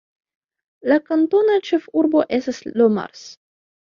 La kantona ĉefurbo estas Le Mars.